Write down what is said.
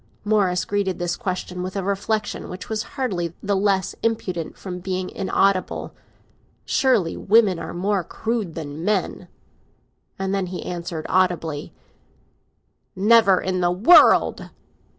Morris greeted this question with a reflexion which was hardly the less impudent from being inaudible. "Surely, women are more crude than men!" And then he answered audibly: "Never in the world!"